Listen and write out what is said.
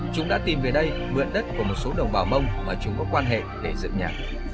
chúng đã tìm về đây mượn đất của một số đồng bào mông mà chúng có quan hệ để dựng nhà